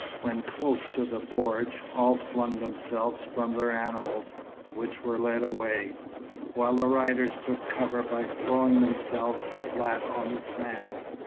When close to the bordj all flung themselves from their animals, which were led away, while the riders took cover by throwing themselves flat on the sand.